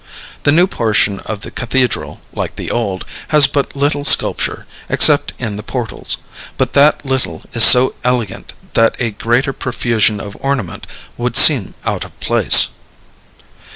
The new portion of the cathedral, like the old, has but little sculpture, except in the portals; but that little is so elegant that a greater profusion of ornament would seem out of place.